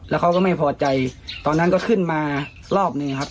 แล้วเขาก็ไม่พอใจตอนนั้นก็ขึ้นมารอบหนึ่งครับ